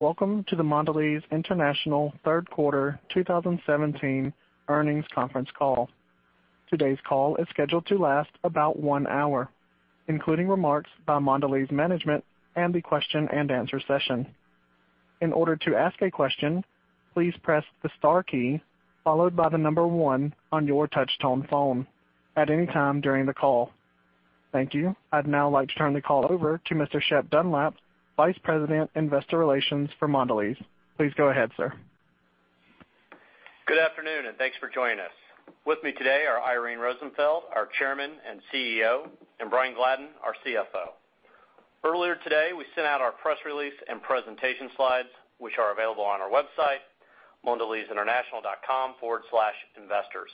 Welcome to the Mondelez International third quarter 2017 earnings conference call. Today's call is scheduled to last about one hour, including remarks by Mondelez management and the question and answer session. In order to ask a question, please press the star key followed by the number one on your touch-tone phone at any time during the call. Thank you. I'd now like to turn the call over to Mr. Shep Dunlap, Vice President, Investor Relations for Mondelez. Please go ahead, sir. Good afternoon. Thanks for joining us. With me today are Irene Rosenfeld, our Chairman and CEO, and Brian Gladden, our CFO. Earlier today, we sent out our press release and presentation slides, which are available on our website, mondelezinternational.com/investors.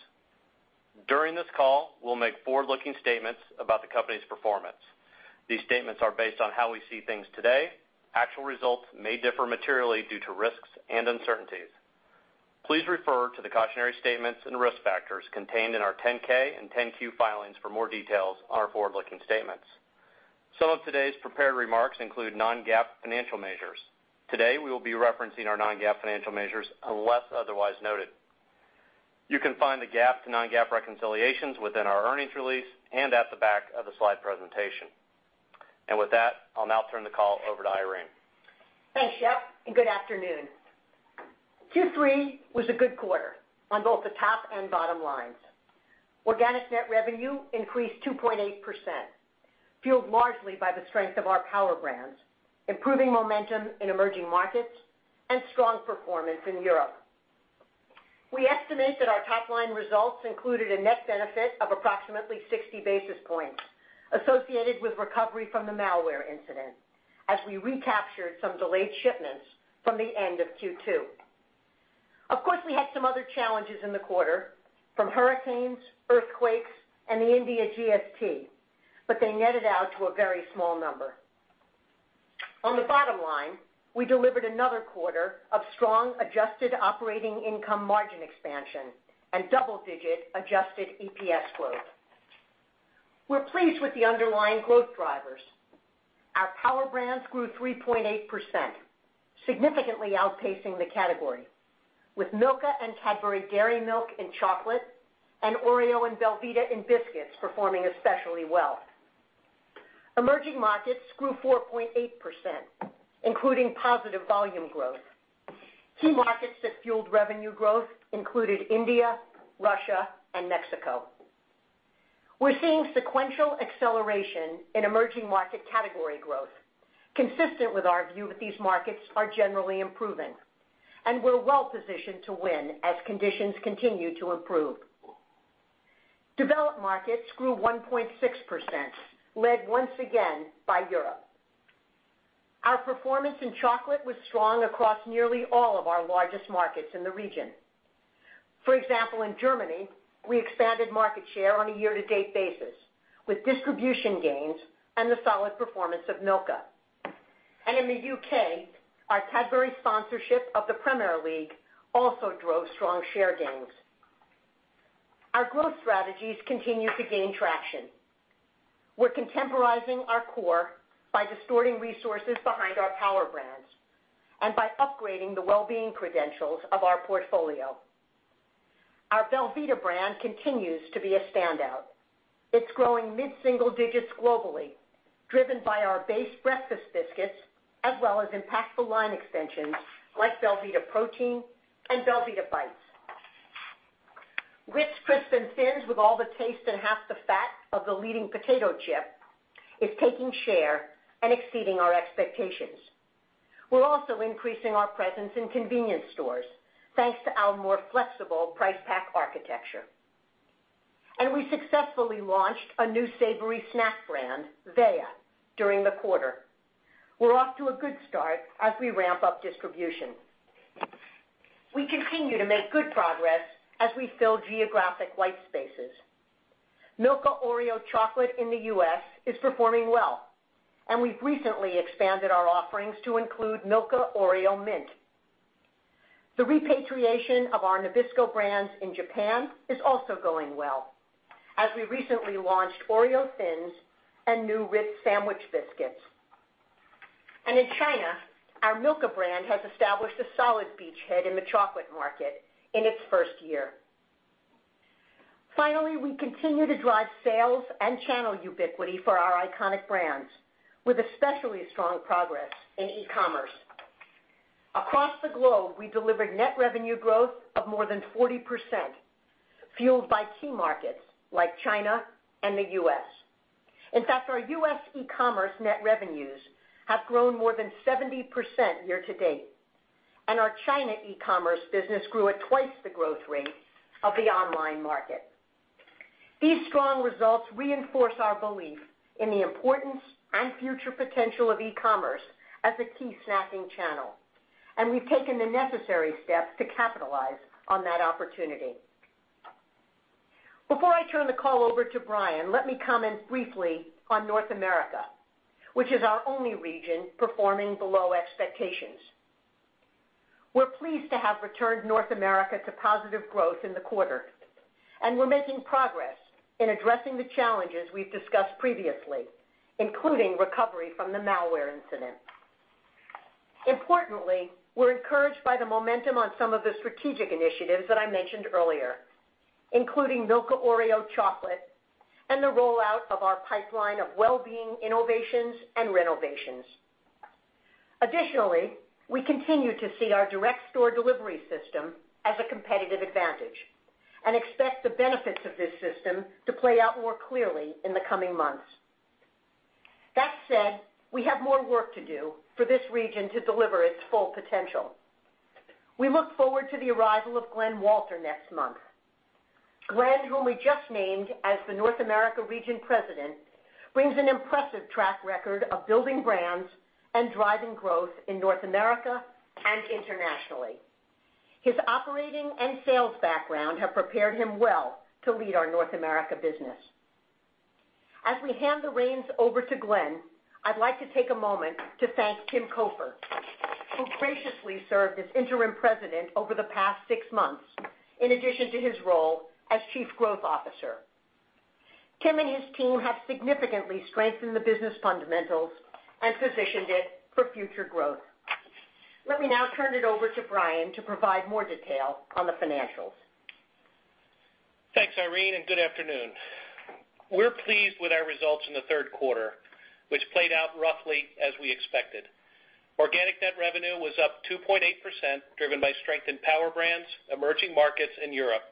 During this call, we'll make forward-looking statements about the company's performance. These statements are based on how we see things today. Actual results may differ materially due to risks and uncertainties. Please refer to the cautionary statements and risk factors contained in our 10-K and 10-Q filings for more details on our forward-looking statements. Some of today's prepared remarks include non-GAAP financial measures. Today, we will be referencing our non-GAAP financial measures unless otherwise noted. You can find the GAAP to non-GAAP reconciliations within our earnings release and at the back of the slide presentation. With that, I'll now turn the call over to Irene. Thanks, Shep. Good afternoon. Q3 was a good quarter on both the top and bottom lines. Organic net revenue increased 2.8%, fueled largely by the strength of our power brands, improving momentum in emerging markets, and strong performance in Europe. We estimate that our top-line results included a net benefit of approximately 60 basis points associated with recovery from the malware incident as we recaptured some delayed shipments from the end of Q2. Of course, we had some other challenges in the quarter, from hurricanes, earthquakes, and the India GST, but they netted out to a very small number. On the bottom line, we delivered another quarter of strong adjusted operating income margin expansion and double-digit adjusted EPS growth. We're pleased with the underlying growth drivers. Our power brands grew 3.8%, significantly outpacing the category, with Milka and Cadbury Dairy Milk in chocolate, and Oreo and Belvita in biscuits performing especially well. Emerging markets grew 4.8%, including positive volume growth. Key markets that fueled revenue growth included India, Russia, and Mexico. We're seeing sequential acceleration in emerging market category growth, consistent with our view that these markets are generally improving, and we're well positioned to win as conditions continue to improve. Developed markets grew 1.6%, led once again by Europe. Our performance in chocolate was strong across nearly all of our largest markets in the region. For example, in Germany, we expanded market share on a year-to-date basis with distribution gains and the solid performance of Milka. In the U.K., our Cadbury sponsorship of the Premier League also drove strong share gains. Our growth strategies continue to gain traction. We're contemporizing our core by distorting resources behind our power brands and by upgrading the well-being credentials of our portfolio. Our Belvita brand continues to be a standout. It's growing mid-single digits globally, driven by our base breakfast biscuits, as well as impactful line extensions like Belvita Protein and Belvita Bites. Ritz Crisp & Thins with all the taste and half the fat of the leading potato chip is taking share and exceeding our expectations. We're also increasing our presence in convenience stores, thanks to our more flexible price pack architecture. We successfully launched a new savory snack brand, Véa, during the quarter. We're off to a good start as we ramp up distribution. We continue to make good progress as we fill geographic white spaces. Milka Oreo chocolate in the U.S. is performing well, and we've recently expanded our offerings to include Milka Oreo Mint. The repatriation of our Nabisco brands in Japan is also going well, as we recently launched Oreo Thins and new Ritz Sandwich Biscuits. In China, our Milka brand has established a solid beachhead in the chocolate market in its first year. Finally, we continue to drive sales and channel ubiquity for our iconic brands, with especially strong progress in e-commerce. Across the globe, we delivered net revenue growth of more than 40%, fueled by key markets like China and the U.S. In fact, our U.S. e-commerce net revenues have grown more than 70% year to date, and our China e-commerce business grew at twice the growth rate of the online market. These strong results reinforce our belief in the importance and future potential of e-commerce as a key snacking channel, and we've taken the necessary steps to capitalize on that opportunity. Before I turn the call over to Brian, let me comment briefly on North America, which is our only region performing below expectations. We're pleased to have returned North America to positive growth in the quarter, and we're making progress in addressing the challenges we've discussed previously, including recovery from the malware incident. Importantly, we're encouraged by the momentum on some of the strategic initiatives that I mentioned earlier, including Milka Oreo chocolate and the rollout of our pipeline of wellbeing innovations and renovations. Additionally, we continue to see our direct store delivery system as a competitive advantage and expect the benefits of this system to play out more clearly in the coming months. That said, we have more work to do for this region to deliver its full potential. We look forward to the arrival of Glen Walter next month. Glen, whom we just named as the North America region president, brings an impressive track record of building brands and driving growth in North America and internationally. His operating and sales background have prepared him well to lead our North America business. As we hand the reins over to Glen, I'd like to take a moment to thank Timothy Cofer, who graciously served as interim president over the past six months, in addition to his role as chief growth officer. Tim and his team have significantly strengthened the business fundamentals and positioned it for future growth. Let me now turn it over to Brian to provide more detail on the financials. Thanks, Irene. Good afternoon. We're pleased with our results in the third quarter, which played out roughly as we expected. Organic net revenue was up 2.8%, driven by strength in power brands, emerging markets in Europe.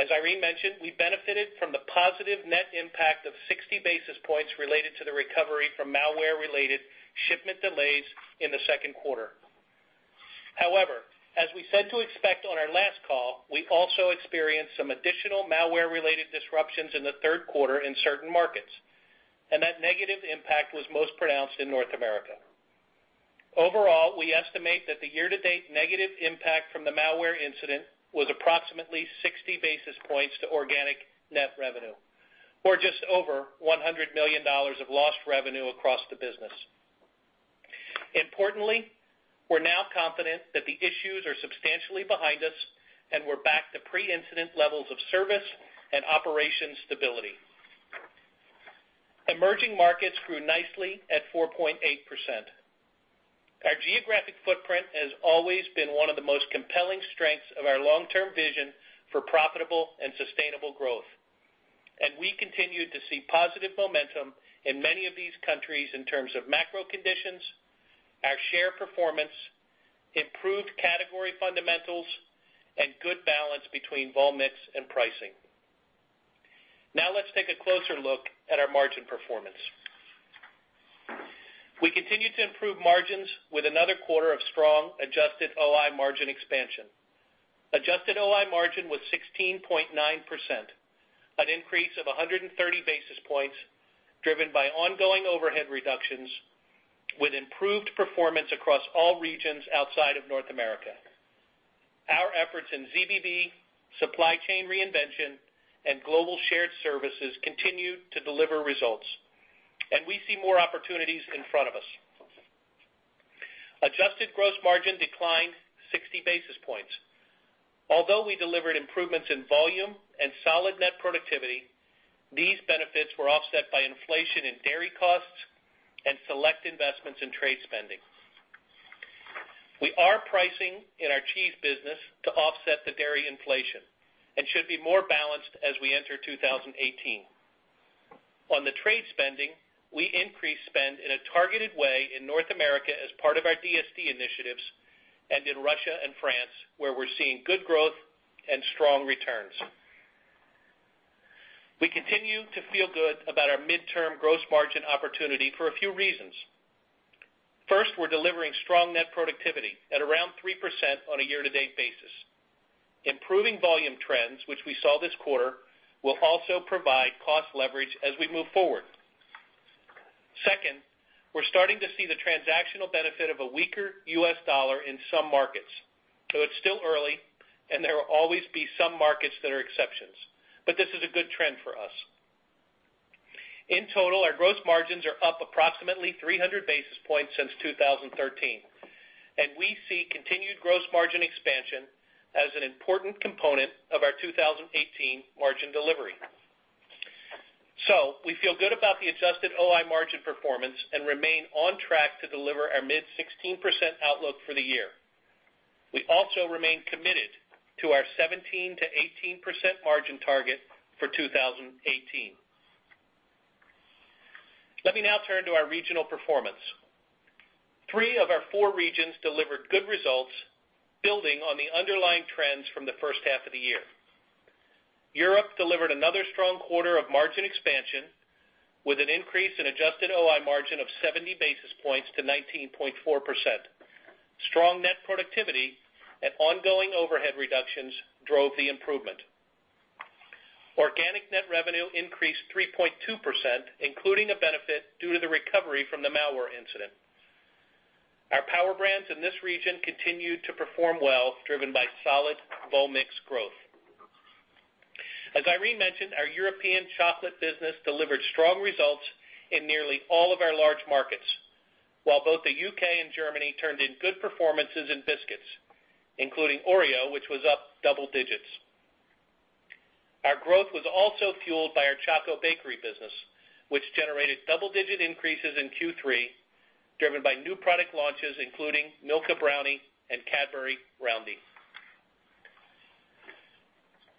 As Irene mentioned, we benefited from the positive net impact of 60 basis points related to the recovery from malware-related shipment delays in the second quarter. As we said to expect on our last call, we also experienced some additional malware-related disruptions in the third quarter in certain markets, and that negative impact was most pronounced in North America. Overall, we estimate that the year-to-date negative impact from the malware incident was approximately 60 basis points to organic net revenue. Just over $100 million of lost revenue across the business. Importantly, we're now confident that the issues are substantially behind us. We're back to pre-incident levels of service and operation stability. Emerging markets grew nicely at 4.8%. Our geographic footprint has always been one of the most compelling strengths of our long-term vision for profitable and sustainable growth. We continue to see positive momentum in many of these countries in terms of macro conditions, our share performance, improved category fundamentals, and good balance between volume-mix and pricing. Let's take a closer look at our margin performance. We continue to improve margins with another quarter of strong adjusted OI margin expansion. Adjusted OI margin was 16.9%, an increase of 130 basis points driven by ongoing overhead reductions with improved performance across all regions outside of North America. Our efforts in ZBB, supply chain reinvention, and global shared services continue to deliver results. We see more opportunities in front of us. Adjusted gross margin declined 60 basis points. Although we delivered improvements in volume and solid net productivity, these benefits were offset by inflation in dairy costs and select investments in trade spending. We are pricing in our cheese business to offset the dairy inflation and should be more balanced as we enter 2018. On the trade spending, we increased spend in a targeted way in North America as part of our DSD initiatives and in Russia and France, where we're seeing good growth and strong returns. We continue to feel good about our midterm gross margin opportunity for a few reasons. First, we're delivering strong net productivity at around 3% on a year-to-date basis. Improving volume trends, which we saw this quarter, will also provide cost leverage as we move forward. Second, we're starting to see the transactional benefit of a weaker U.S. dollar in some markets, though it's still early. There will always be some markets that are exceptions. This is a good trend for us. In total, our gross margins are up approximately 300 basis points since 2013. We see continued gross margin expansion as an important component of our 2018 margin delivery. We feel good about the adjusted OI margin performance. We remain on track to deliver our mid-16% outlook for the year. We also remain committed to our 17%-18% margin target for 2018. Let me now turn to our regional performance. Three of our four regions delivered good results, building on the underlying trends from the first half of the year. Europe delivered another strong quarter of margin expansion with an increase in adjusted OI margin of 70 basis points to 19.4%. Strong net productivity and ongoing overhead reductions drove the improvement. Organic net revenue increased 3.2%, including a benefit due to the recovery from the malware incident. Our power brands in this region continued to perform well, driven by solid volume-mix growth. As Irene mentioned, our European chocolate business delivered strong results in nearly all of our large markets, while both the U.K. and Germany turned in good performances in biscuits, including Oreo, which was up double digits. Our growth was also fueled by our Choco Bakery business, which generated double-digit increases in Q3, driven by new product launches, including Milka Brownie and Cadbury Roundie.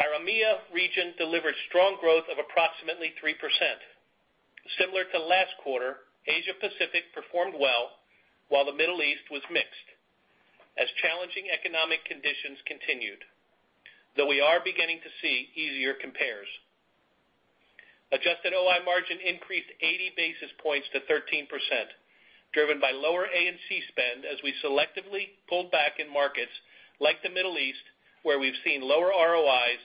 Our AMEA region delivered strong growth of approximately 3%. Similar to last quarter, Asia Pacific performed well while the Middle East was mixed, as challenging economic conditions continued, though we are beginning to see easier compares. Adjusted OI margin increased 80 basis points to 13%, driven by lower A&C spend as we selectively pulled back in markets like the Middle East, where we've seen lower ROIs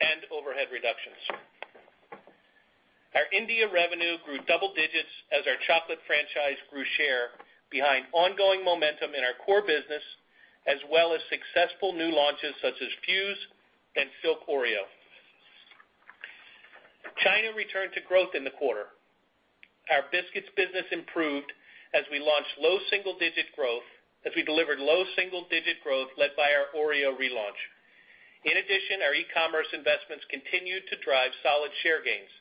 and overhead reductions. Our India revenue grew double digits as our chocolate franchise grew share behind ongoing momentum in our core business, as well as successful new launches such as Fuse and Silk Oreo. China returned to growth in the quarter. Our biscuits business improved as we delivered low single-digit growth led by our Oreo relaunch. In addition, our e-commerce investments continued to drive solid share gains.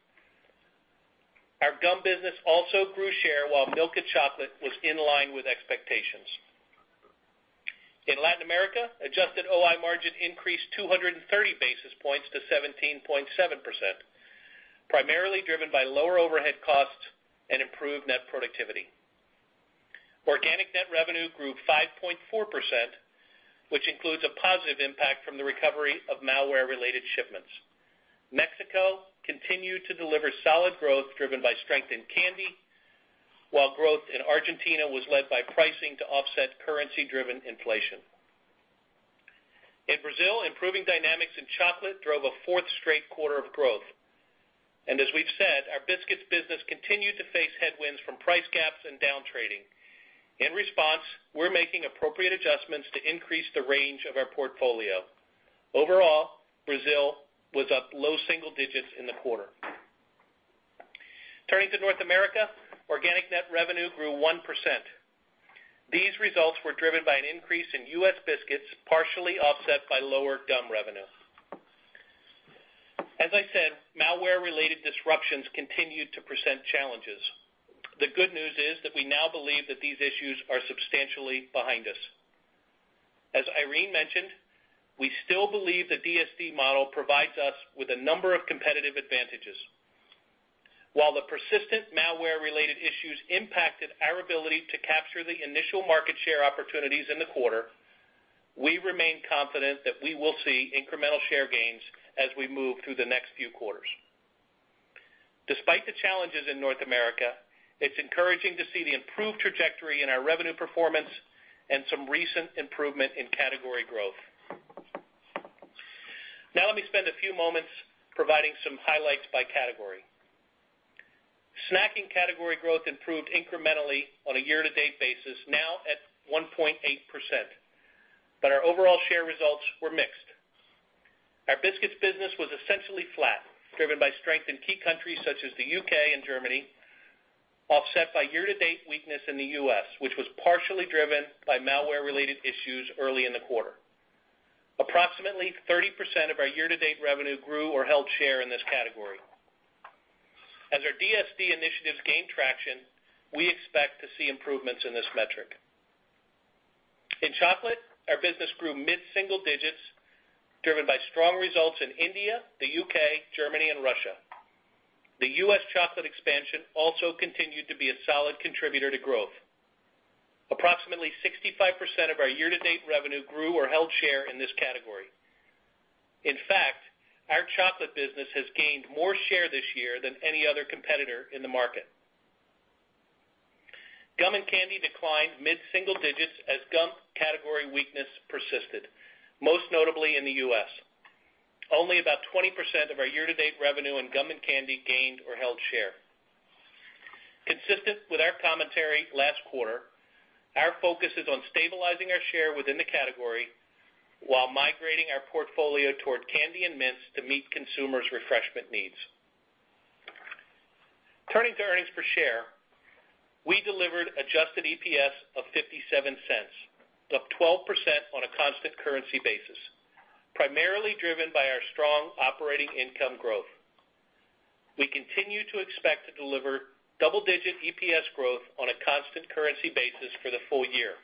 Our gum business also grew share while Milka chocolate was in line with expectations. In Latin America, adjusted OI margin increased 230 basis points to 17.7%, primarily driven by lower overhead costs and improved net productivity. Organic net revenue grew 5.4%, which includes a positive impact from the recovery of malware-related shipments. Mexico continued to deliver solid growth driven by strength in candy, while growth in Argentina was led by pricing to offset currency-driven inflation. In Brazil, improving dynamics in chocolate drove a fourth straight quarter of growth. As we've said, our biscuits business continued to face headwinds from price gaps and down-trading. In response, we're making appropriate adjustments to increase the range of our portfolio. Overall, Brazil was up low single digits in the quarter. Turning to North America, organic net revenue grew 1%. These results were driven by an increase in U.S. biscuits, partially offset by lower gum revenue. As I said, malware-related disruptions continued to present challenges. The good news is that we now believe that these issues are substantially behind us. As Irene mentioned, we still believe the DSD model provides us with a number of competitive advantages. While the persistent malware-related issues impacted our ability to capture the initial market share opportunities in the quarter, we remain confident that we will see incremental share gains as we move through the next few quarters. Despite the challenges in North America, it's encouraging to see the improved trajectory in our revenue performance and some recent improvement in category growth. Let me spend a few moments providing some highlights by category. Snacking category growth improved incrementally on a year-to-date basis, now at 1.8%, our overall share results were mixed. Our biscuits business was essentially flat, driven by strength in key countries such as the U.K. and Germany, offset by year-to-date weakness in the U.S., which was partially driven by malware-related issues early in the quarter. Approximately 30% of our year-to-date revenue grew or held share in this category. As our DSD initiatives gain traction, we expect to see improvements in this metric. In chocolate, our business grew mid-single digits, driven by strong results in India, the U.K., Germany and Russia. The U.S. chocolate expansion also continued to be a solid contributor to growth. Approximately 65% of our year-to-date revenue grew or held share in this category. In fact, our chocolate business has gained more share this year than any other competitor in the market. Gum and candy declined mid-single digits as gum category weakness persisted, most notably in the U.S. Only about 20% of our year-to-date revenue in gum and candy gained or held share. Consistent with our commentary last quarter, our focus is on stabilizing our share within the category while migrating our portfolio toward candy and mints to meet consumers' refreshment needs. Turning to earnings per share, we delivered adjusted EPS of $0.57, up 12% on a constant currency basis, primarily driven by our strong operating income growth. We continue to expect to deliver double-digit EPS growth on a constant currency basis for the full year.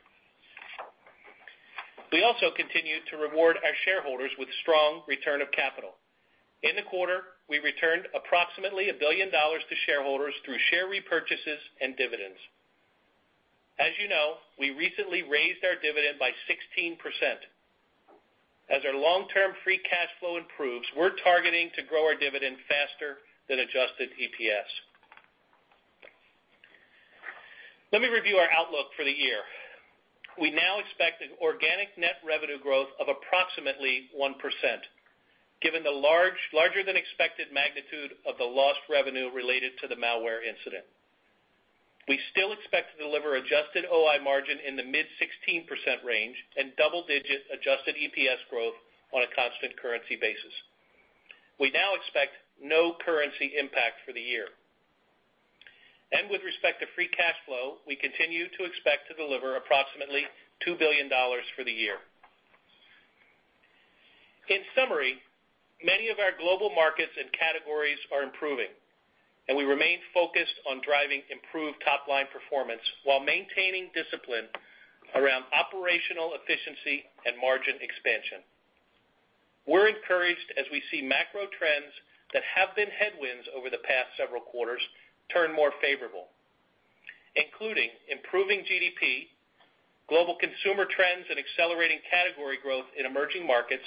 We also continue to reward our shareholders with strong return of capital. In the quarter, we returned approximately $1 billion to shareholders through share repurchases and dividends. As you know, we recently raised our dividend by 16%. As our long-term free cash flow improves, we're targeting to grow our dividend faster than adjusted EPS. Let me review our outlook for the year. We now expect an organic net revenue growth of approximately 1% given the larger-than-expected magnitude of the lost revenue related to the malware incident. We still expect to deliver adjusted OI margin in the mid 16% range and double-digit adjusted EPS growth on a constant currency basis. We now expect no currency impact for the year. With respect to free cash flow, we continue to expect to deliver approximately $2 billion for the year. In summary, many of our global markets and categories are improving, and we remain focused on driving improved top-line performance while maintaining discipline around operational efficiency and margin expansion. We're encouraged as we see macro trends that have been headwinds over the past several quarters turn more favorable, including improving GDP, global consumer trends, and accelerating category growth in emerging markets,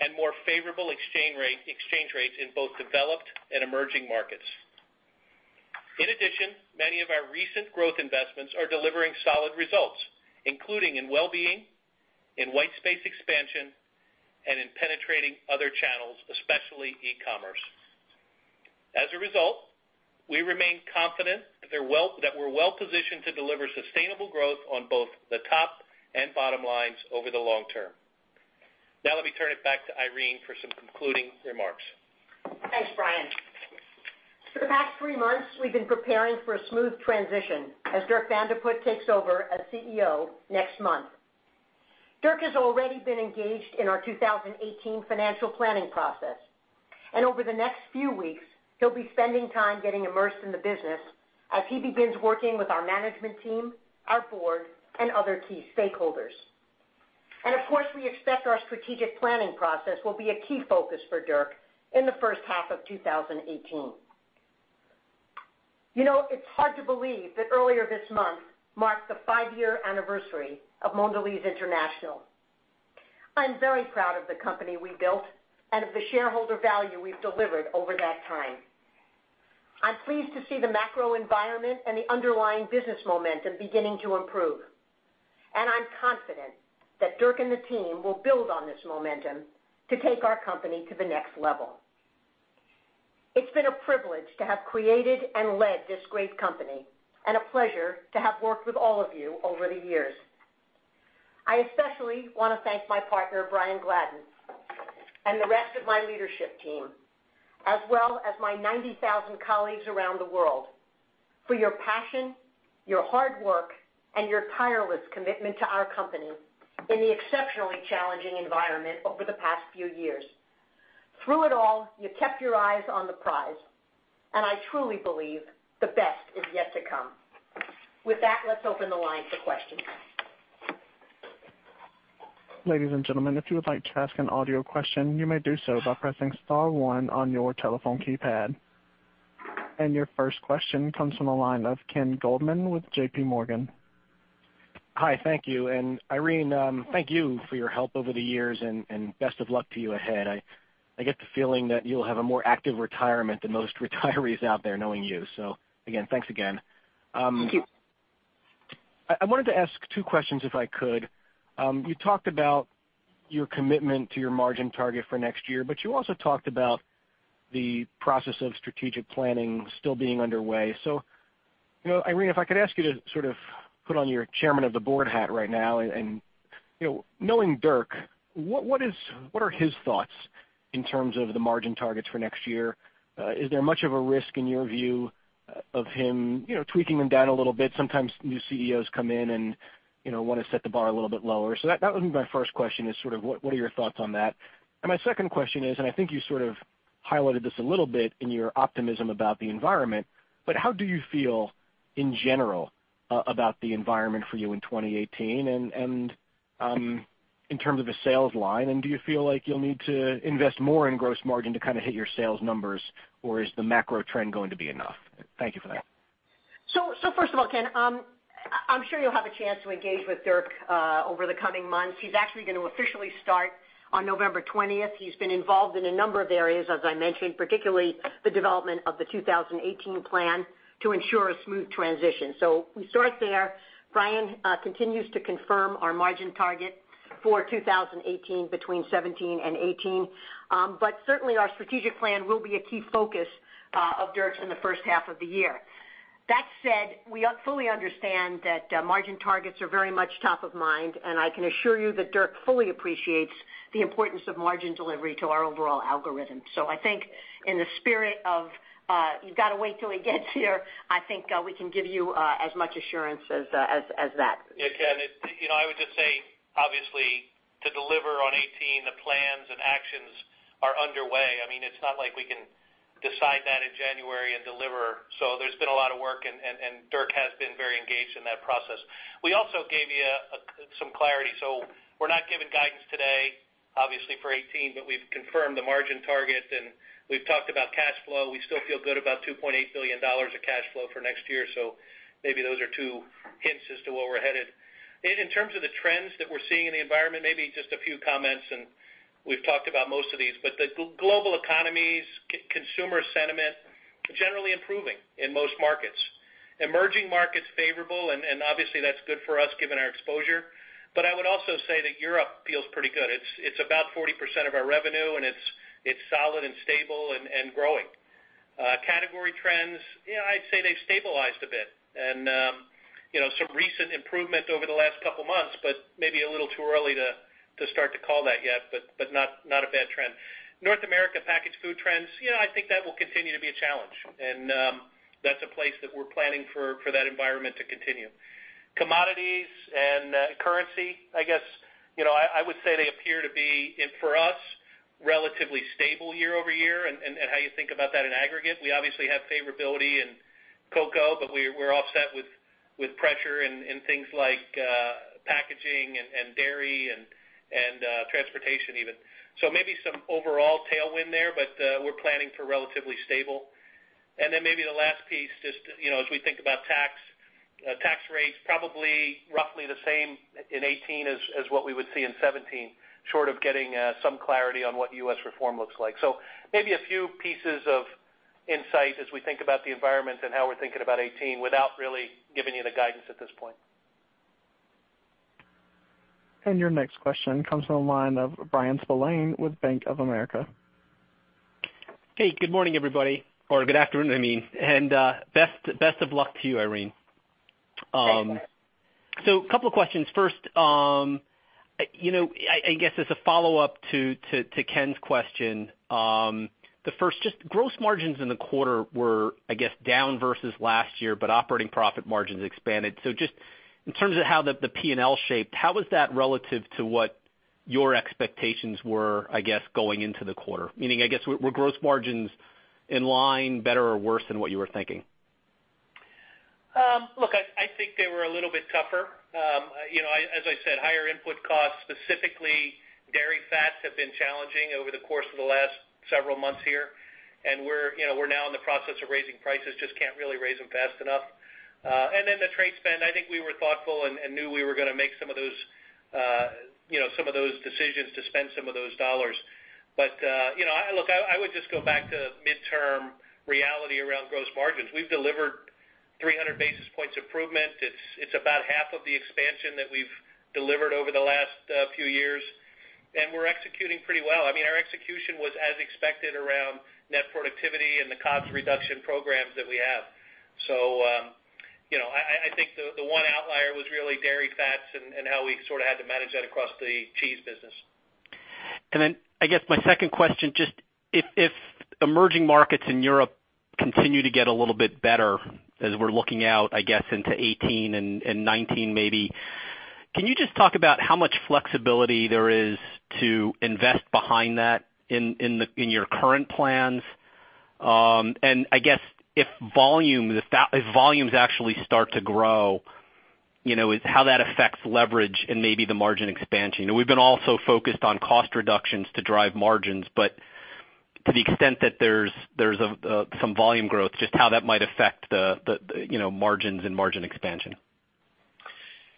and more favorable exchange rates in both developed and emerging markets. In addition, many of our recent growth investments are delivering solid results, including in wellbeing, in white space expansion, and in penetrating other channels, especially e-commerce. As a result, we remain confident that we're well-positioned to deliver sustainable growth on both the top and bottom lines over the long term. Now let me turn it back to Irene for some concluding remarks. Thanks, Brian. For the past three months, we've been preparing for a smooth transition as Dirk Van de Put takes over as CEO next month. Dirk has already been engaged in our 2018 financial planning process. Over the next few weeks, he'll be spending time getting immersed in the business as he begins working with our management team, our board, and other key stakeholders. Of course, we expect our strategic planning process will be a key focus for Dirk in the first half of 2018. It's hard to believe that earlier this month marked the five-year anniversary of Mondelez International. I'm very proud of the company we built and of the shareholder value we've delivered over that time. I'm pleased to see the macro environment and the underlying business momentum beginning to improve. I'm confident that Dirk and the team will build on this momentum to take our company to the next level. It's been a privilege to have created and led this great company, and a pleasure to have worked with all of you over the years. I especially want to thank my partner, Brian Gladden, and the rest of my leadership team, as well as my 90,000 colleagues around the world, for your passion, your hard work, and your tireless commitment to our company in the exceptionally challenging environment over the past few years. Through it all, you kept your eyes on the prize, and I truly believe the best is yet to come. With that, let's open the line for questions. Ladies and gentlemen, if you would like to ask an audio question, you may do so by pressing star one on your telephone keypad. Your first question comes from the line of Ken Goldman with JPMorgan. Hi, thank you. Irene, thank you for your help over the years and best of luck to you ahead. I get the feeling that you'll have a more active retirement than most retirees out there, knowing you. Again, thanks again. Thank you. I wanted to ask two questions, if I could. You talked about your commitment to your margin target for next year, but you also talked about the process of strategic planning still being underway. Irene, if I could ask you to sort of put on your chairman of the board hat right now, and knowing Dirk, what are his thoughts in terms of the margin targets for next year? Is there much of a risk in your view of him tweaking them down a little bit? Sometimes new CEOs come in and want to set the bar a little bit lower. That would be my first question is sort of what are your thoughts on that? My second question is, I think you sort of highlighted this a little bit in your optimism about the environment, but how do you feel in general about the environment for you in 2018 and in terms of the sales line? Do you feel like you'll need to invest more in gross margin to kind of hit your sales numbers, or is the macro trend going to be enough? Thank you for that. First of all, Ken, I'm sure you'll have a chance to engage with Dirk over the coming months. He's actually going to officially start on November 20th. He's been involved in a number of areas, as I mentioned, particularly the development of the 2018 plan to ensure a smooth transition. We start there. Brian continues to confirm our margin target for 2018 between 17% and 18%. Certainly, our strategic plan will be a key focus of Dirk's in the first half of the year. That said, we fully understand that margin targets are very much top of mind, and I can assure you that Dirk fully appreciates the importance of margin delivery to our overall algorithm. I think in the spirit of you've got to wait till he gets here, I think we can give you as much assurance as that. Ken, I would just say, obviously, to deliver on 2018, the plans and actions are underway. It's not like we can decide that in January and deliver. There's been a lot of work, and Dirk has been very engaged in that process. We also gave you some clarity. We're not giving guidance today, obviously, for 2018, but we've confirmed the margin target, and we've talked about cash flow. We still feel good about $2.8 billion of cash flow for next year. Maybe those are two hints as to where we're headed. In terms of the trends that we're seeing in the environment, maybe just a few comments, and we've talked about most of these, but the global economies, consumer sentiment, generally improving in most markets. Emerging markets, favorable, and obviously, that's good for us given our exposure. I would also say that Europe feels pretty good. It's about 40% of our revenue, and it's solid and stable and growing. Category trends, yeah, I'd say they've stabilized a bit. Some recent improvement over the last couple of months, but maybe a little too early to start to call that yet, but not a bad trend. North America packaged food trends, yeah, I think that will continue to be a challenge, and that's a place that we're planning for that environment to continue. Commodities and currency, I guess, I would say they appear to be, for us, relatively stable year-over-year and how you think about that in aggregate. We obviously have favorability in cocoa, but we're offset with pressure in things like packaging and dairy and transportation even. Maybe some overall tailwind there, but we're planning for relatively stable. Maybe the last piece, just as we think about tax rates, probably roughly the same in 2018 as what we would see in 2017, short of getting some clarity on what U.S. reform looks like. Maybe a few pieces of insight as we think about the environment and how we're thinking about 2018 without really giving you the guidance at this point. Your next question comes from the line of Bryan Spillane with Bank of America. Hey, good morning, everybody, or good afternoon, I mean. Best of luck to you, Irene. Thanks, Bryan. A couple of questions. First, I guess as a follow-up to Ken's question. The first, just gross margins in the quarter were, I guess, down versus last year, but operating profit margins expanded. Just in terms of how the P&L shaped, how was that relative to what your expectations were, I guess, going into the quarter? Meaning, I guess, were gross margins in line better or worse than what you were thinking? Look, I think they were a little bit tougher. As I said, higher input costs, specifically dairy fats, have been challenging over the course of the last several months here, and we're now in the process of raising prices, just can't really raise them fast enough. The trade spend, I think we were thoughtful and knew we were going to make some of those decisions to spend some of those dollars. Look, I would just go back to midterm reality around gross margins. We've delivered 300 basis points improvement. It's about half of the expansion that we've delivered over the last few years, and we're executing pretty well. Our execution was as expected around net productivity and the cost reduction programs that we have. I think the one outlier was really dairy fats and how we sort of had to manage that across the cheese business. My second question, just if emerging markets in Europe continue to get a little bit better as we're looking out, into 2018 and 2019, maybe, can you just talk about how much flexibility there is to invest behind that in your current plans? If volumes actually start to grow, how that affects leverage and maybe the margin expansion. We've been all so focused on cost reductions to drive margins. To the extent that there's some volume growth, just how that might affect the margins and margin expansion.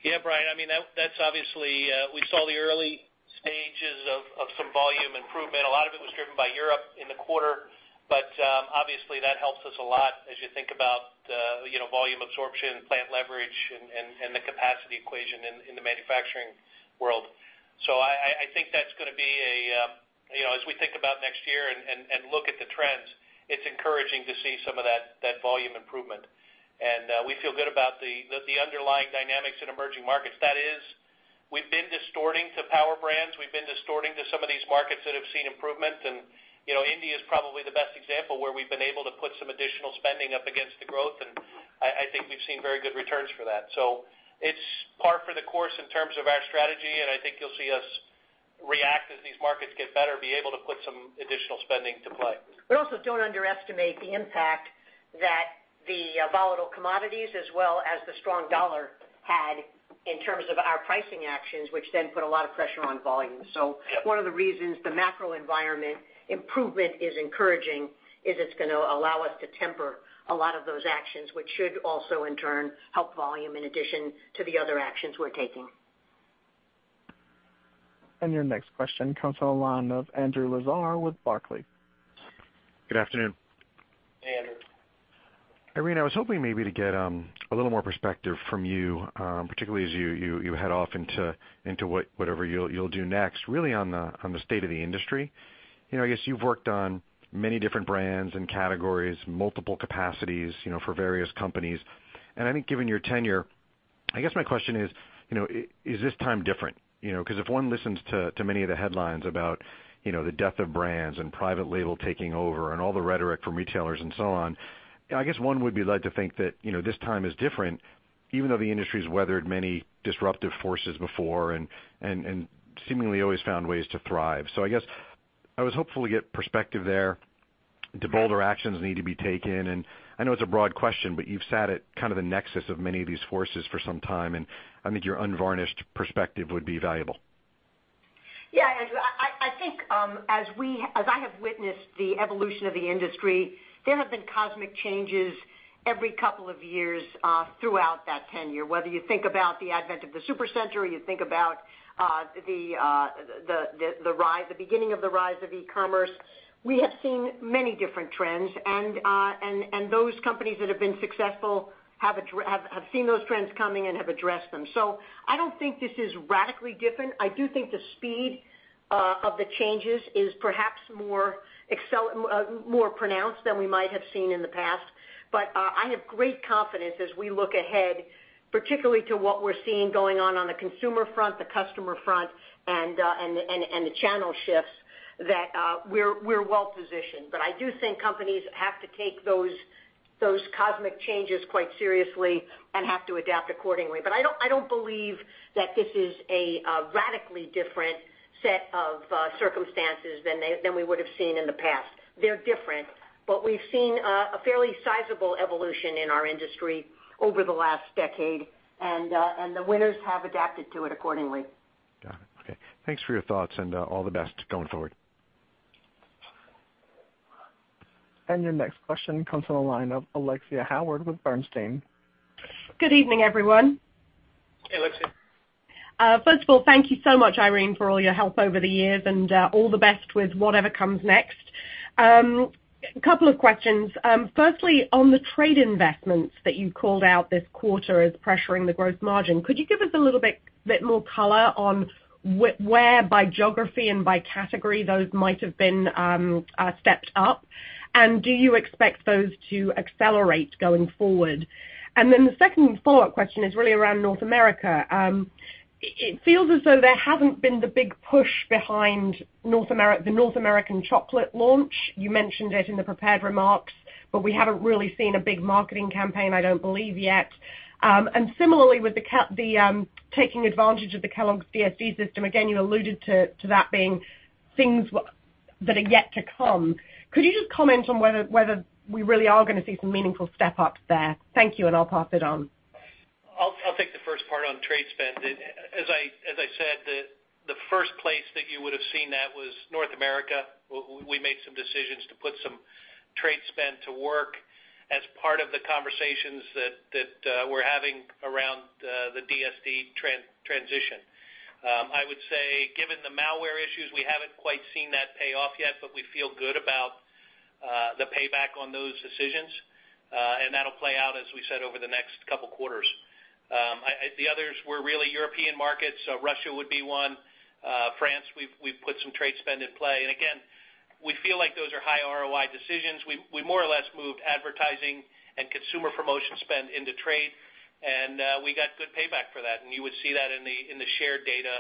Bryan, we saw the early stages of some volume improvement. A lot of it was driven by Europe in the quarter, obviously, that helps us a lot as you think about volume absorption, plant leverage, and the capacity equation in the manufacturing world. I think that's going to be, as we think about next year and look at the trends, it's encouraging to see some of that volume improvement. We feel good about the underlying dynamics in emerging markets. That is, we've been distorting to power brands, we've been distorting to some of these markets that have seen improvement. India is probably the best example where we've been able to put some additional spending up against the growth, and I think we've seen very good returns for that. It's par for the course in terms of our strategy, and I think you'll see us react as these markets get better, be able to put some additional spending to play. Also don't underestimate the impact that the volatile commodities as well as the strong dollar had in terms of our pricing actions, which then put a lot of pressure on volume. One of the reasons the macro environment improvement is encouraging is it's going to allow us to temper a lot of those actions, which should also, in turn, help volume in addition to the other actions we're taking. Your next question comes on the line of Andrew Lazar with Barclays. Good afternoon. Hey, Andrew. Irene, I was hoping maybe to get a little more perspective from you, particularly as you head off into whatever you'll do next, really on the state of the industry. I guess you've worked on many different brands and categories, multiple capacities for various companies. I think given your tenure, I guess my question is this time different? If one listens to many of the headlines about the death of brands and private label taking over and all the rhetoric from retailers and so on, I guess one would be led to think that this time is different, even though the industry's weathered many disruptive forces before and seemingly always found ways to thrive. I guess I was hopeful to get perspective there. Do bolder actions need to be taken? I know it's a broad question, but you've sat at kind of the nexus of many of these forces for some time, and I think your unvarnished perspective would be valuable. Yeah, Andrew. I think as I have witnessed the evolution of the industry, there have been cosmic changes every couple of years throughout that tenure, whether you think about the advent of the supercenter or you think about the beginning of the rise of e-commerce. We have seen many different trends, and those companies that have been successful have seen those trends coming and have addressed them. I don't think this is radically different. I do think the speed of the changes is perhaps more pronounced than we might have seen in the past. I have great confidence as we look ahead, particularly to what we're seeing going on on the consumer front, the customer front, and the channel shifts. That we're well-positioned. I do think companies have to take those cosmic changes quite seriously and have to adapt accordingly. I don't believe that this is a radically different set of circumstances than we would've seen in the past. They're different, but we've seen a fairly sizable evolution in our industry over the last decade, and the winners have adapted to it accordingly. Got it. Okay. Thanks for your thoughts and all the best going forward. Your next question comes from the line of Alexia Howard with Bernstein. Good evening, everyone. Hey, Alexia. First of all, thank you so much, Irene, for all your help over the years, and all the best with whatever comes next. Couple of questions. Firstly, on the trade investments that you called out this quarter as pressuring the gross margin, could you give us a little bit more color on where by geography and by category those might have been stepped up? Do you expect those to accelerate going forward? Then the second follow-up question is really around North America. It feels as though there hasn't been the big push behind the North American chocolate launch. You mentioned it in the prepared remarks, but we haven't really seen a big marketing campaign, I don't believe yet. Similarly with the taking advantage of the Kellogg's DSD system, again, you alluded to that being things that are yet to come. Could you just comment on whether we really are going to see some meaningful step-ups there? Thank you, and I'll pass it on. I'll take the first part on trade spend. As I said, the first place that you would've seen that was North America. We made some decisions to put some trade spend to work as part of the conversations that we're having around the DSD transition. I would say given the malware issues, we haven't quite seen that pay off yet, but we feel good about the payback on those decisions. That'll play out, as we said, over the next couple of quarters. The others were really European markets. Russia would be one. France, we've put some trade spend in play. Again, we feel like those are high ROI decisions. We more or less moved advertising and consumer promotion spend into trade, and we got good payback for that. You would see that in the shared data,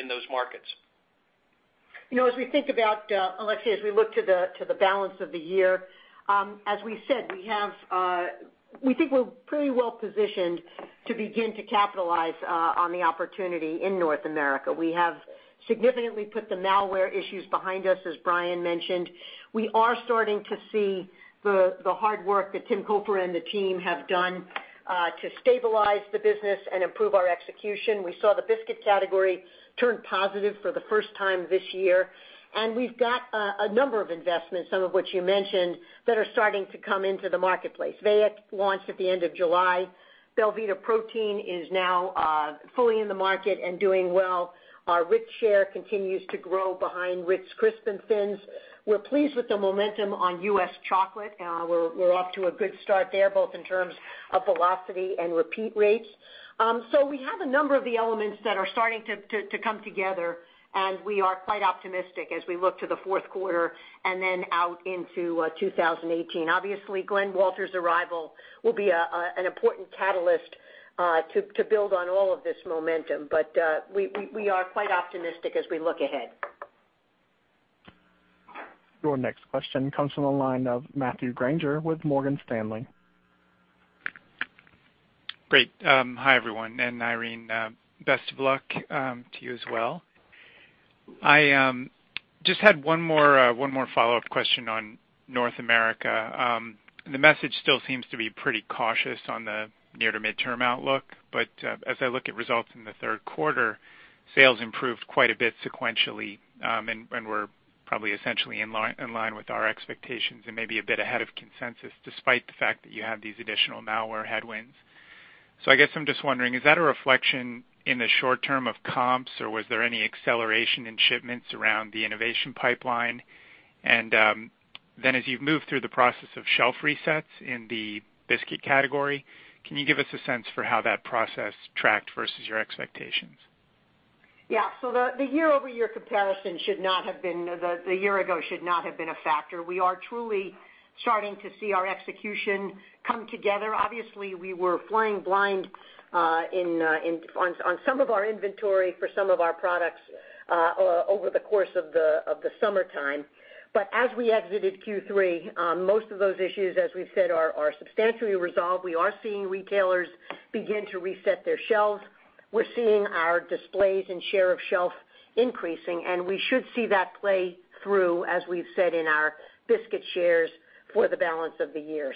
in those markets. As we think about, Alexia, as we look to the balance of the year, as we said, we think we're pretty well positioned to begin to capitalize on the opportunity in North America. We have significantly put the malware issues behind us, as Brian mentioned. We are starting to see the hard work that Timothy Cofer and the team have done to stabilize the business and improve our execution. We saw the biscuit category turn positive for the first time this year. We've got a number of investments, some of which you mentioned, that are starting to come into the marketplace. Véa launched at the end of July. Belvita Protein is now fully in the market and doing well. Our Ritz share continues to grow behind Ritz Crisp & Thins. We're pleased with the momentum on U.S. chocolate. We're off to a good start there, both in terms of velocity and repeat rates. We have a number of the elements that are starting to come together, and we are quite optimistic as we look to the fourth quarter and then out into 2018. Obviously, Glen Walter's arrival will be an important catalyst to build on all of this momentum. We are quite optimistic as we look ahead. Your next question comes from the line of Matthew Grainger with Morgan Stanley. Great. Hi, everyone, and Irene, best of luck to you as well. I just had one more follow-up question on North America. The message still seems to be pretty cautious on the near to midterm outlook, but as I look at results in the third quarter, sales improved quite a bit sequentially and were probably essentially in line with our expectations and maybe a bit ahead of consensus despite the fact that you have these additional malware headwinds. I guess I'm just wondering, is that a reflection in the short term of comps, or was there any acceleration in shipments around the innovation pipeline? And then as you've moved through the process of shelf resets in the biscuit category, can you give us a sense for how that process tracked versus your expectations? Yeah. The year-over-year comparison should not have been a factor. We are truly starting to see our execution come together. Obviously, we were flying blind on some of our inventory for some of our products over the course of the summertime. But as we exited Q3, most of those issues, as we've said, are substantially resolved. We are seeing retailers begin to reset their shelves. We're seeing our displays and share of shelf increasing, and we should see that play through, as we've said, in our biscuit shares for the balance of the year.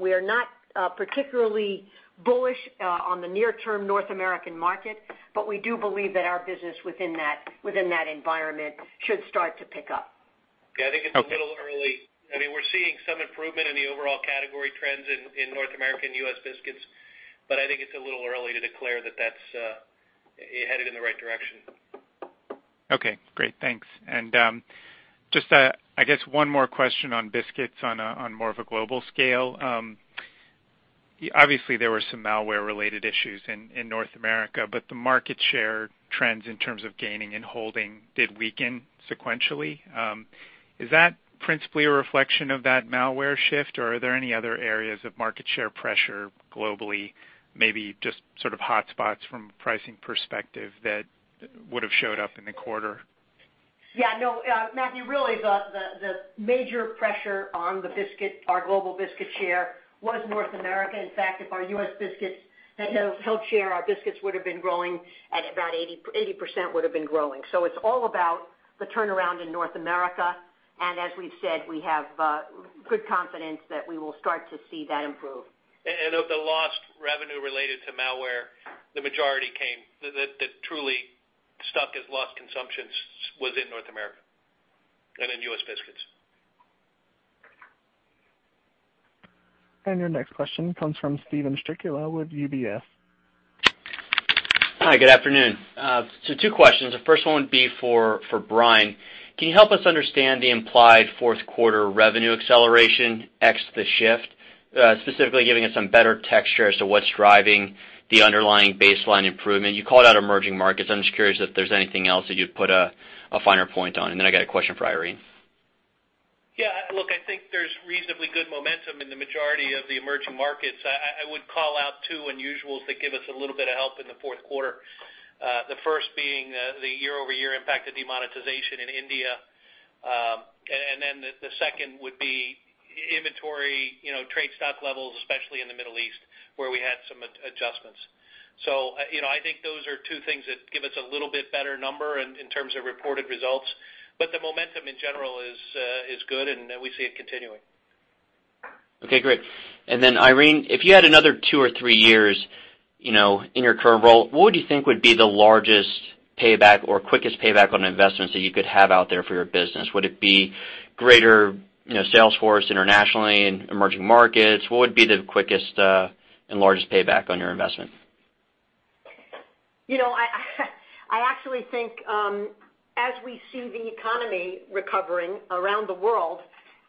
We are not particularly bullish on the near term North American market, but we do believe that our business within that environment should start to pick up. Yeah, I think it's a little early. We're seeing some improvement in the overall category trends in North American U.S. biscuits, I think it's a little early to declare that that's headed in the right direction. Okay, great. Thanks. Just I guess one more question on biscuits on more of a global scale. Obviously, there were some malware related issues in North America, but the market share trends in terms of gaining and holding did weaken sequentially. Is that principally a reflection of that malware shift, or are there any other areas of market share pressure globally, maybe just sort of hotspots from pricing perspective that would've showed up in the quarter? Yeah, no, Matthew, really the major pressure on our global biscuit share was North America. In fact, if our U.S. biscuit had held share, our biscuits would have been growing at about 80%. It's all about the turnaround in North America, and as we've said, we have good confidence that we will start to see that improve. Of the lost revenue related to malware, the majority that truly stuck as lost consumptions was in North America and in U.S. biscuits. Your next question comes from Steven Strycula with UBS. Hi, good afternoon. Two questions. The first one would be for Brian. Can you help us understand the implied fourth quarter revenue acceleration ex the shift, specifically giving us some better texture as to what's driving the underlying baseline improvement? You called out emerging markets. I'm just curious if there's anything else that you'd put a finer point on. I got a question for Irene. I think there's reasonably good momentum in the majority of the emerging markets. I would call out two unusuals that give us a little bit of help in the fourth quarter. The first being the year-over-year impact of demonetization in India. The second would be inventory trade stock levels, especially in the Middle East, where we had some adjustments. I think those are two things that give us a little bit better number in terms of reported results. The momentum in general is good, and we see it continuing. Okay, great. Irene, if you had another two or three years in your current role, what would you think would be the largest payback or quickest payback on investments that you could have out there for your business? Would it be greater sales force internationally in emerging markets? What would be the quickest and largest payback on your investment? I actually think as we see the economy recovering around the world,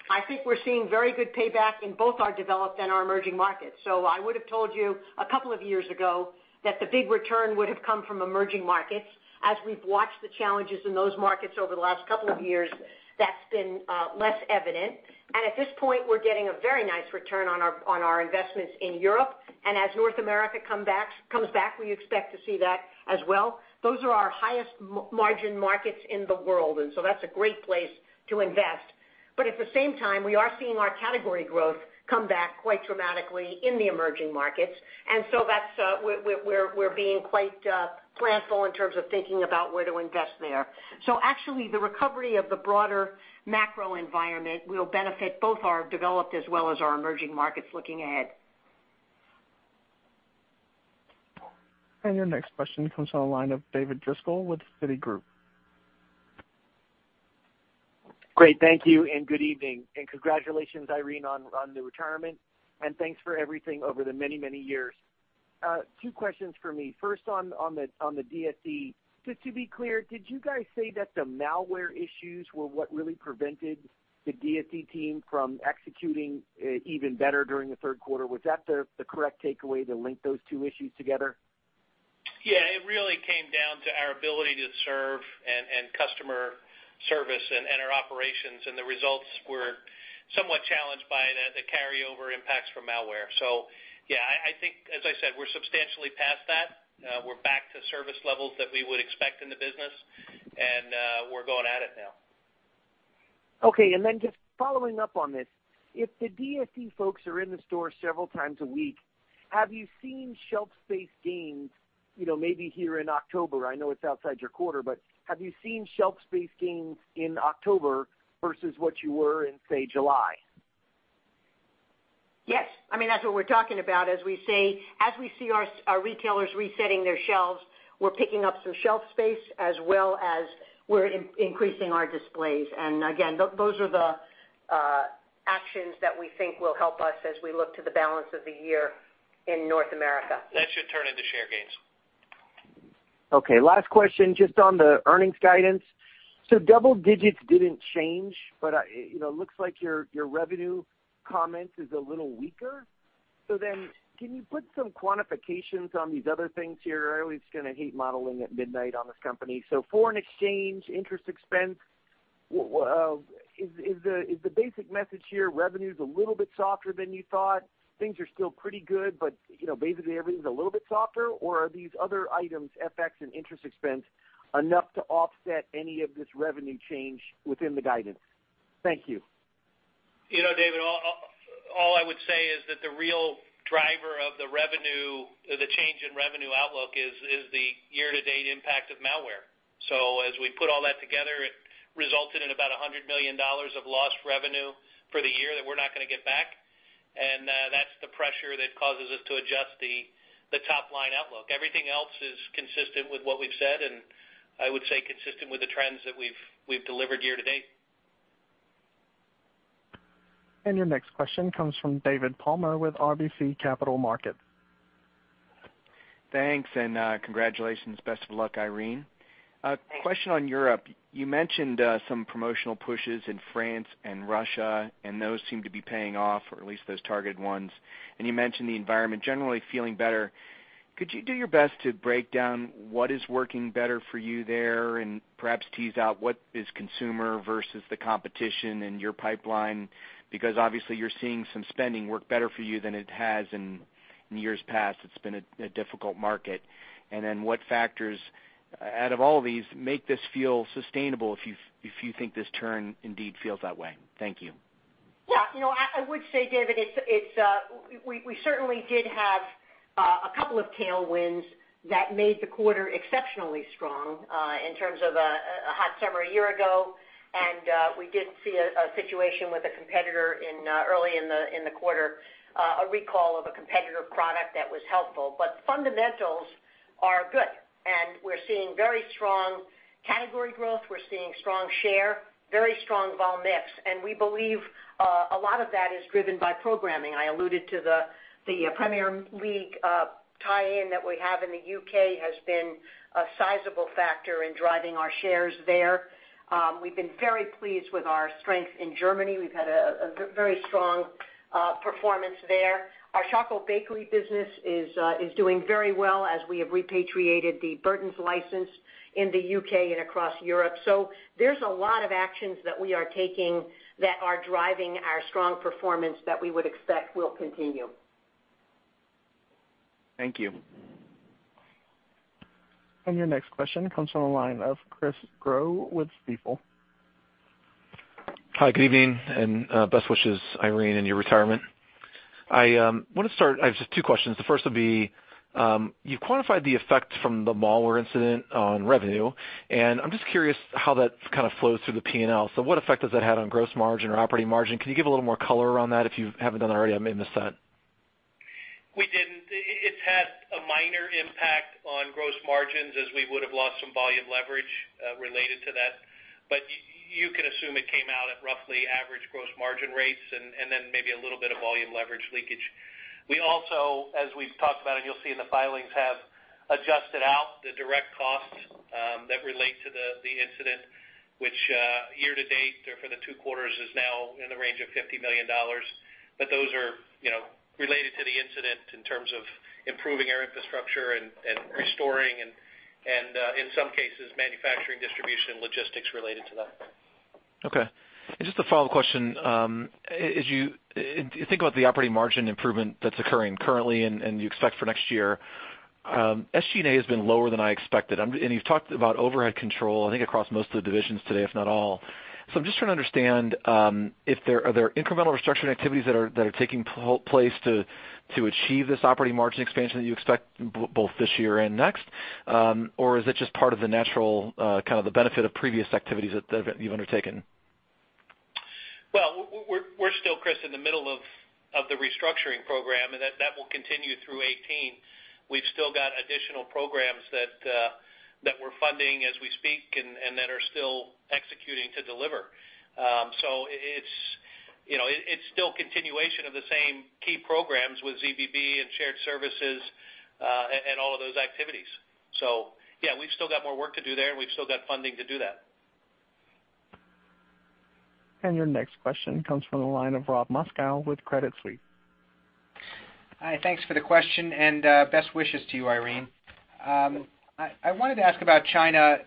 I think we're seeing very good payback in both our developed and our emerging markets. I would have told you a couple of years ago that the big return would have come from emerging markets. As we've watched the challenges in those markets over the last couple of years, that's been less evident. At this point, we're getting a very nice return on our investments in Europe. As North America comes back, we expect to see that as well. Those are our highest margin markets in the world, that's a great place to invest. At the same time, we are seeing our category growth come back quite dramatically in the emerging markets. We're being quite planful in terms of thinking about where to invest there. Actually, the recovery of the broader macro environment will benefit both our developed as well as our emerging markets looking ahead. Your next question comes on the line of David Driscoll with Citigroup. Great. Thank you and good evening, and congratulations, Irene, on the retirement, and thanks for everything over the many years. Two questions from me. First on the DSD, just to be clear, did you guys say that the malware issues were what really prevented the DSD team from executing even better during the third quarter? Was that the correct takeaway to link those two issues together? It really came down to our ability to serve and customer service and our operations. The results were somewhat challenged by the carryover impacts from malware. I think, as I said, we're substantially past that. We're back to service levels that we would expect in the business, and we're going at it now. Okay, just following up on this, if the DSD folks are in the store several times a week, have you seen shelf space gains maybe here in October? I know it's outside your quarter, but have you seen shelf space gains in October versus what you were in, say, July? Yes. That's what we're talking about. As we see our retailers resetting their shelves, we're picking up some shelf space as well as we're increasing our displays. Again, those are the actions that we think will help us as we look to the balance of the year in North America. That should turn into share gains. Okay. Last question, just on the earnings guidance. Double digits didn't change, it looks like your revenue comment is a little weaker. Can you put some quantifications on these other things here? I always kind of hate modeling at midnight on this company. Foreign exchange, interest expense, is the basic message here revenue's a little bit softer than you thought? Things are still pretty good, but basically everything's a little bit softer? Or are these other items, FX and interest expense, enough to offset any of this revenue change within the guidance? Thank you. David, all I would say is that the real driver of the change in revenue outlook is the year-to-date impact of malware. As we put all that together, it resulted in about $100 million of lost revenue for the year that we're not going to get back. That's the pressure that causes us to adjust the top-line outlook. Everything else is consistent with what we've said, I would say consistent with the trends that we've delivered year to date. Your next question comes from David Palmer with RBC Capital Markets. Thanks. Congratulations. Best of luck, Irene. Thanks. A question on Europe. You mentioned some promotional pushes in France and Russia, those seem to be paying off, or at least those targeted ones. You mentioned the environment generally feeling better. Could you do your best to break down what is working better for you there and perhaps tease out what is consumer versus the competition and your pipeline? Obviously you're seeing some spending work better for you than it has in years past. It's been a difficult market. What factors out of all these make this feel sustainable if you think this turn indeed feels that way? Thank you. I would say, David, we certainly did have a couple of tailwinds that made the quarter exceptionally strong in terms of a hot summer a year ago, and we did see a situation with a competitor early in the quarter, a recall of a competitor product that was helpful. Fundamentals are good, and we're seeing very strong category growth. We're seeing strong share, very strong vol mix, and we believe a lot of that is driven by programming. I alluded to the Premier League tie-in that we have in the U.K. has been a sizable factor in driving our shares there. We've been very pleased with our strength in Germany. We've had a very strong performance there. Our Choco Bakery business is doing very well as we have repatriated the Burton's license in the U.K. and across Europe. There's a lot of actions that we are taking that are driving our strong performance that we would expect will continue. Thank you. Your next question comes from the line of Chris Growe with Stifel. Hi, good evening, and best wishes, Irene, in your retirement. I have just two questions. The first would be, you've quantified the effect from the malware incident on revenue, and I'm just curious how that kind of flows through the P&L. What effect has that had on gross margin or operating margin? Can you give a little more color around that if you haven't done that already in the set? We didn't. It's had a minor impact on gross margins as we would have lost some volume leverage related to that. You can assume it came out at roughly average gross margin rates and then maybe a little bit of volume leverage leakage. We also, as we've talked about and you'll see in the filings, have adjusted out the direct costs that relate to the incident, which year to date or for the two quarters is now in the range of $50 million. Those are related to the incident in terms of improving our infrastructure and restoring and, in some cases, manufacturing, distribution, and logistics related to that. Okay. Just a follow-up question. As you think about the operating margin improvement that's occurring currently and you expect for next year, SG&A has been lower than I expected. You've talked about overhead control, I think, across most of the divisions today, if not all. I'm just trying to understand if there are incremental restructuring activities that are taking place to achieve this operating margin expansion that you expect both this year and next. Is it just part of the natural kind of the benefit of previous activities that you've undertaken? Well, we're still, Chris, in the middle of the restructuring program, that will continue through 2018. We've still got additional programs that we're funding as we speak and that are still executing to deliver. It's still continuation of the same key programs with ZBB and shared services, all of those activities. Yeah, we've still got more work to do there, and we've still got funding to do that. Your next question comes from the line of Robert Moskow with Credit Suisse. Hi, thanks for the question and best wishes to you, Irene. I wanted to ask about China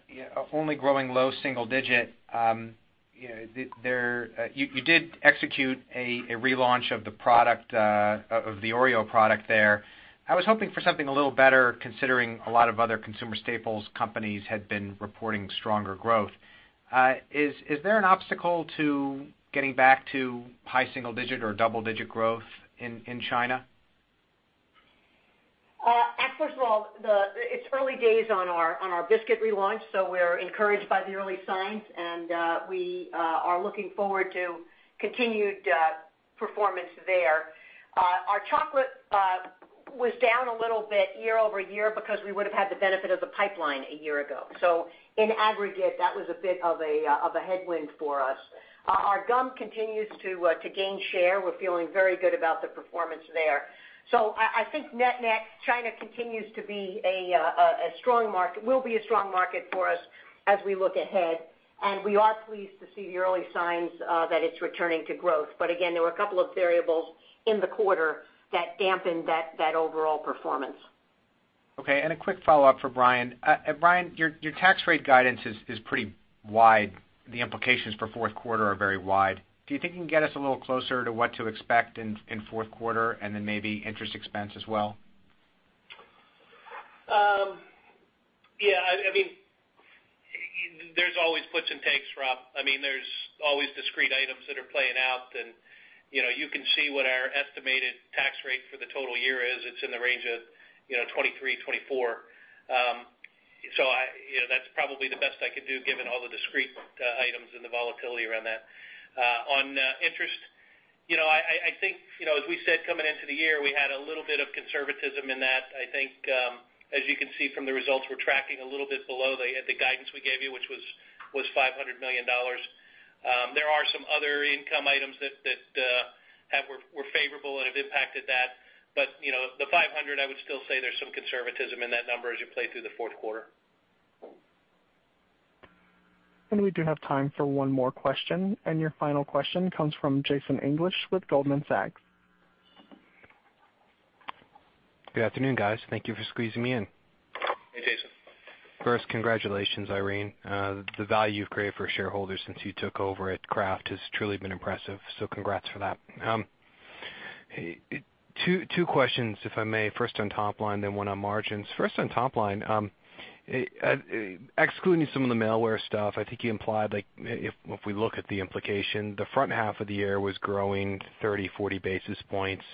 only growing low single digit. You did execute a relaunch of the Oreo product there. I was hoping for something a little better considering a lot of other consumer staples companies had been reporting stronger growth. Is there an obstacle to getting back to high single digit or double-digit growth in China? First of all, it's early days on our biscuit relaunch, we're encouraged by the early signs, and we are looking forward to continued performance there. Our chocolate was down a little bit year-over-year because we would have had the benefit of the pipeline a year ago. In aggregate, that was a bit of a headwind for us. Our gum continues to gain share. We're feeling very good about the performance there. I think net-net, China continues to be a strong market, will be a strong market for us as we look ahead, and we are pleased to see the early signs that it's returning to growth. Again, there were a couple of variables in the quarter that dampened that overall performance. Okay, a quick follow-up for Brian. Brian, your tax rate guidance is pretty wide. The implications for fourth quarter are very wide. Do you think you can get us a little closer to what to expect in fourth quarter and then maybe interest expense as well? Yeah. There's always puts and takes, Rob. There's always discrete items that are playing out, and you can see what our estimated tax rate for the total year is. It's in the range of 23%-24%. That's probably the best I could do given all the discrete items and the volatility around that. On interest, as we said coming into the year, we had a little bit of conservatism in that. As you can see from the results, we're tracking a little bit below the guidance we gave you, which was $500 million. There are some other income items that were favorable and have impacted that. The $500, I would still say there's some conservatism in that number as you play through the fourth quarter. We do have time for one more question. Your final question comes from Jason English with Goldman Sachs. Good afternoon, guys. Thank you for squeezing me in. Hey, Jason. First, congratulations, Irene Rosenfeld. The value you've created for shareholders since you took over at Kraft has truly been impressive, so congrats for that. Two questions, if I may. First on top line, then one on margins. First on top line. Excluding some of the malware stuff, I think you implied, if we look at the implication, the front half of the year was growing 30, 40 basis points.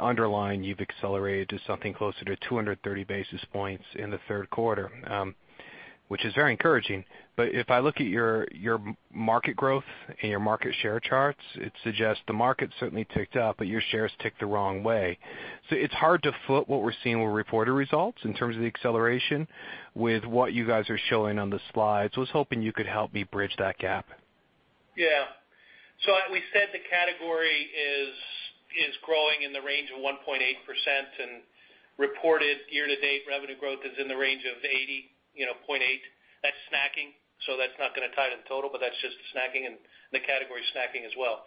Underlying, you've accelerated to something closer to 230 basis points in the third quarter, which is very encouraging. If I look at your market growth and your market share charts, it suggests the market certainly ticked up, but your shares ticked the wrong way. It's hard to foot what we're seeing with reported results in terms of the acceleration with what you guys are showing on the slides. I was hoping you could help me bridge that gap. We said the category is growing in the range of 1.8%, and reported year-to-date revenue growth is in the range of 0.8. That's snacking, so that's not going to tie to the total, but that's just the snacking and the category snacking as well.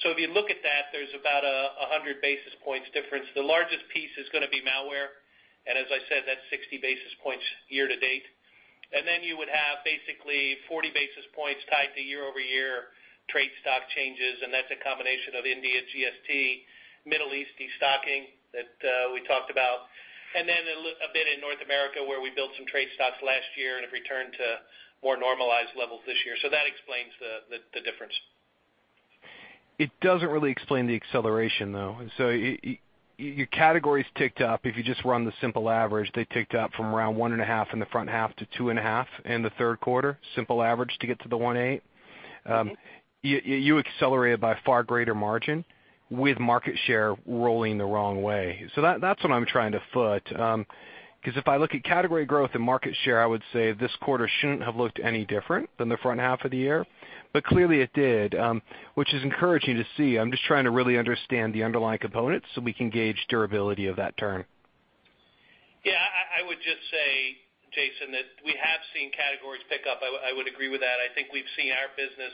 If you look at that, there's about 100 basis points difference. The largest piece is going to be malware, and as I said, that's 60 basis points year to date. Then you would have basically 40 basis points tied to year-over-year trade stock changes, and that's a combination of India GST, Middle East de-stocking that we talked about, and then a bit in North America, where we built some trade stocks last year and have returned to more normalized levels this year. That explains the difference. It doesn't really explain the acceleration, though. Your categories ticked up. If you just run the simple average, they ticked up from around 1.5 in the front half to 2.5 in the third quarter, simple average to get to the 1.8. You accelerated by far greater margin with market share rolling the wrong way. That's what I'm trying to foot. If I look at category growth and market share, I would say this quarter shouldn't have looked any different than the front half of the year, but clearly it did, which is encouraging to see. I'm just trying to really understand the underlying components so we can gauge durability of that turn. I would just say, Jason, that we have seen categories pick up. I would agree with that. I think we've seen our business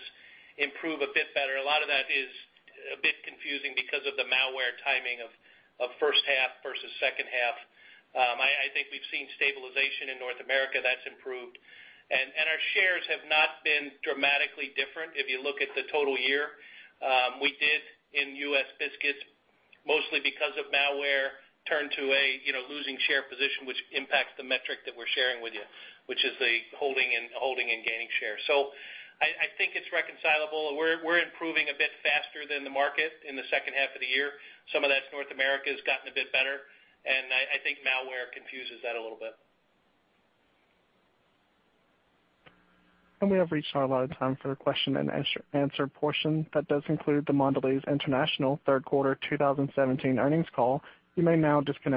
improve a bit better. A lot of that is a bit confusing because of the malware timing of first half versus second half. I think we've seen stabilization in North America. That's improved. Our shares have not been dramatically different if you look at the total year. We did in U.S. biscuits, mostly because of malware, turn to a losing share position, which impacts the metric that we're sharing with you, which is the holding and gaining share. I think it's reconcilable. We're improving a bit faster than the market in the second half of the year. Some of that's North America has gotten a bit better, and I think malware confuses that a little bit. We have reached our allotted time for the question and answer portion. That does conclude the Mondelez International third quarter 2017 earnings call. You may now disconnect.